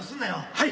はい。